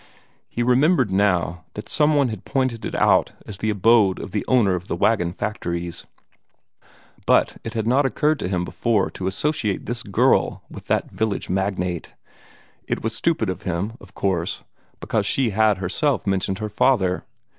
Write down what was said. He remembered now that some one had pointed it out as the abode of the owner of the wagon factories; but it had not occurred to him before to associate this girl with that village magnate. It was stupid of him, of course, because she had herself mentioned her father.